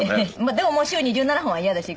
でももう週に１７本は嫌でしょ？